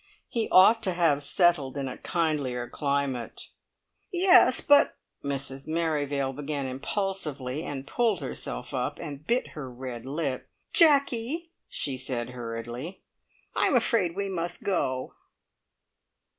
He ought to have settled in a kindlier climate." "Yes, but " Mrs Merrivale began impulsively, and pulled herself up, and bit her red lip. "Jacky," she said hurriedly, "I'm afraid we must go."